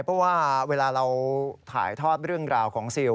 เพราะว่าเวลาเราถ่ายทอดเรื่องราวของซิล